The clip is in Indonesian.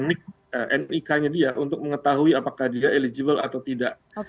jadi itu adalah sebuah teknik untuk mengetahui apakah dia eligible atau tidak